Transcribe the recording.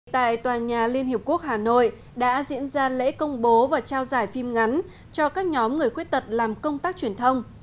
tại tòa nhà liên hiệp quốc hà nội đã diễn ra lễ công bố và trao giải phim ngắn cho các nhóm người khuyết tật làm công tác truyền thông